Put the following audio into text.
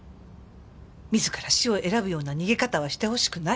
自ら死を選ぶような逃げ方はしてほしくない。